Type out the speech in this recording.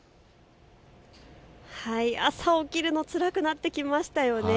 朝起きるのつらくなってきましたよね。